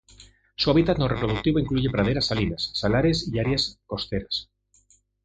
Su hábitat no reproductivo incluye praderas salinas, salares y áreas costeras.